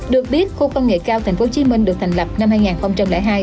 được biết khu công nghệ cao tp hcm được thành lập năm hai nghìn hai